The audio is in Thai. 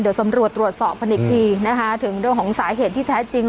เดี๋ยวสำรวจตรวจสอบกันอีกทีนะคะถึงเรื่องของสาเหตุที่แท้จริง